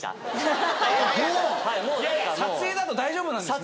撮影だと大丈夫なんですね。